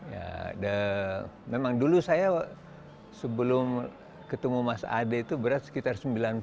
ya memang dulu saya sebelum ketemu mas ade itu berat sekitar sembilan puluh